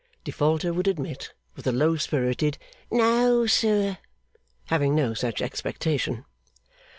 Defaulter would admit, with a low spirited 'No, sir,' having no such expectation.